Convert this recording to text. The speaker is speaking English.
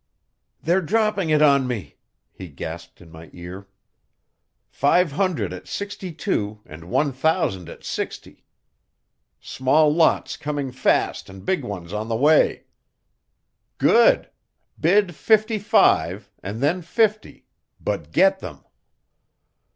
"They're dropping it on me," he gasped in my ear. "Five hundred at sixty two and one thousand at sixty. Small lots coming fast and big ones on the way." "Good! Bid fifty five, and then fifty, but get them."